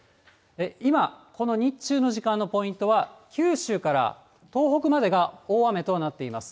今、この日中の時間のポイントは、九州から東北までが大雨となっています。